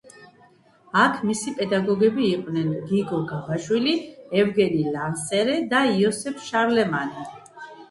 აქ მისი პედაგოგები იყვნენ გიგო გაბაშვილი, ევგენი ლანსერე და იოსებ შარლემანი.